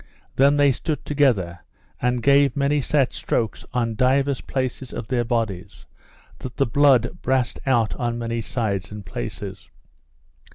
Then they stood together and gave many sad strokes on divers places of their bodies, that the blood brast out on many sides and places.